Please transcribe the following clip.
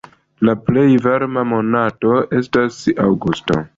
La plej varma monato estas aŭgusto.